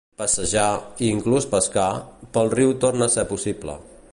Passejar, i inclús pescar, pel riu torna a ser possible.